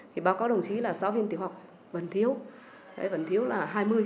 thì báo cáo đồng chí là giáo viên tiểu học vẫn thiếu vẫn thiếu là hai mươi